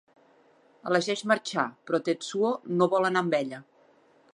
Elegeix marxar, però Tetsuo no vol anar amb ella.